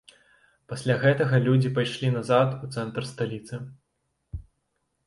Пасля гэтага людзі пайшлі назад у цэнтр сталіцы.